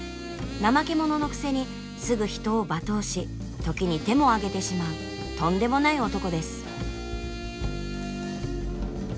怠け者のくせにすぐ人を罵倒し時に手も上げてしまうとんでもない男です。